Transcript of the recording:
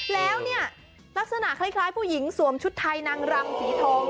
แล้วเนี่ยลักษณะคล้ายผู้หญิงสวมชุดไทยนางรำสีทอง